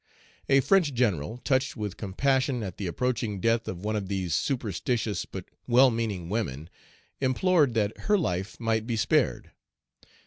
A French General, touched with compassion at the approaching death of one of these superstitious but well meaning women, implored that her life might be spared.